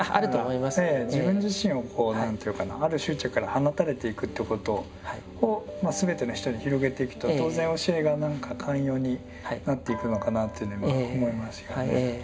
自分自身をこう何というかなある執着から放たれていくということをすべての人に広げていくと当然教えが何か寛容になっていくのかなというのは今思いますよね。